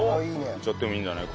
いっちゃってもいいんじゃない？